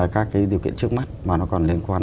các cái điều kiện trước mắt mà nó còn liên quan